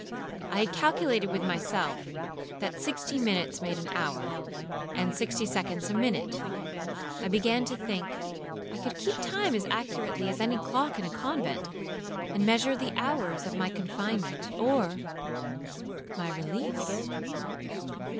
I had calculated with myself, that sixty minutes made an hour, and sixty seconds a minute. I began to think I could keep time as accurately as any clock in a convent, and measure the hours of my confinement or—my release.